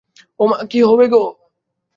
ওমা, কী হবে গো।